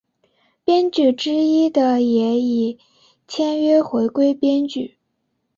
编剧之一的也已签约回归编剧。